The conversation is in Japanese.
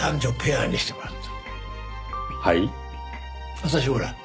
私ほら